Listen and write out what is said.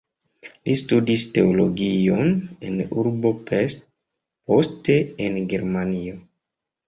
Li studis teologion en urbo Pest, poste en Germanio.